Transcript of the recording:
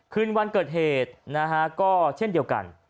ขึ้นวันเกิดเหตุก็เช่นเดียวกัน